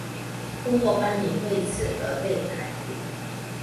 过后班尼为此而被逮捕。